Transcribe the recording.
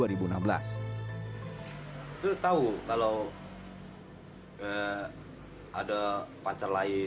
itu tahu kalau ada pacar lain